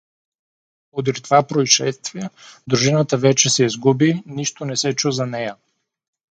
Подир това произшествие дружината вече се изгуби, нищо не се чу за нея.